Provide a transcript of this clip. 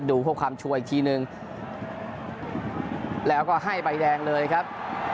พวกความชัวร์อีกทีนึงแล้วก็ให้ใบแดงเลยครับ